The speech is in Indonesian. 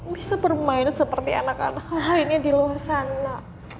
bisa bermain seperti anak anak lainnya di luar sana